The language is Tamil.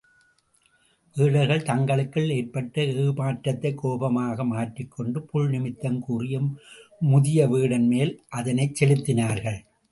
வேடர்கள் தங்களுக்கு ஏற்பட்ட ஏமாற்றத்தைக் கோபமாக மாற்றிக்கொண்டு, புள்நிமித்தம் கூறிய முதிய வேடன்மேல் அதைச் செலுத்தினார்கள்.